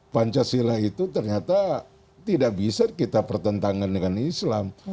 pancasila itu ternyata tidak bisa kita pertentangan dengan islam